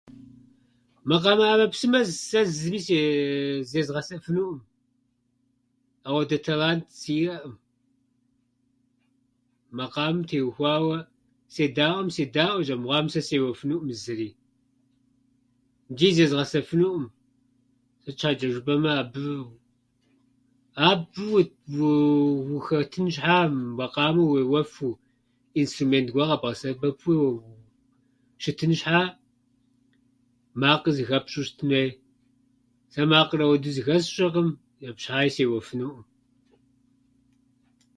Макъамэ ӏэмэпсымэм сэ зыми сее- зезгъэсэфынуӏым. Ауэдэ талант сиӏэӏым. Макъамэм теухуауэ, седаӏуэм седаӏуэщ, амыхъуам сэ сеуэфынуӏым зыри ичӏи зезгъэсэфынуӏым. Сыт щхьэчӏэ жыпӏэмэ, абы- абы у- ухэтын щхьа макъамэ уеуэфу, инструмент гуэр къэбгъэсэбэпу щытын щхьа, макъыр зыхэпщӏу щытын хуей. Сэ макъыр ауэдэу зэхэсщӏэкъым. Абы щхьаи сеуэфынуӏым.